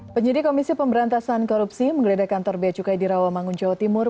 penyidik komisi pemberantasan korupsi menggeledah kantor beacukai di rawamangun jawa timur